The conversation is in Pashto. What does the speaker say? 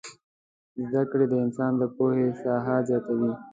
زدکړې د انسان د پوهې ساحه زياتوي